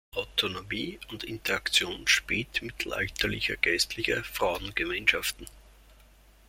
Autonomie und Interaktion spätmittelalterlicher geistlicher Frauengemeinschaften“.